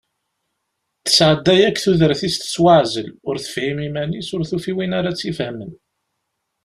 Tesεedda-d akk tudert-is tettwaεzel, ur tefhim iman-is, ur tufi win ara tt-ifehmen.